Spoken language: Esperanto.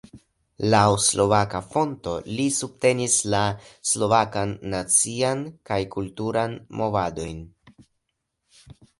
Laŭ slovaka fonto li subtenis la slovakan nacian kaj kulturan movadojn.